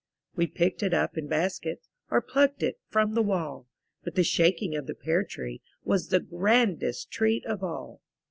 We picked it up in baskets. Or pluck'd it from the wall; But the shaking of the pear tree Was the grandest treat of all.